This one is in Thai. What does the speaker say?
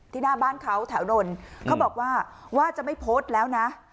หน้าบ้านเขาแถวนนท์เขาบอกว่าว่าจะไม่โพสต์แล้วนะ